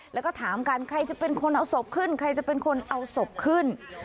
แล้วก็ถามกันใครจะเป็นคนเอาศพขึ้นใครจะเป็นคนเอาศพขึ้น